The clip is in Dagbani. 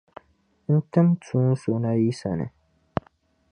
N tim Tuun’ so na yi sani.